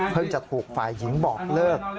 จะถูกฝ่ายหญิงบอกเลิก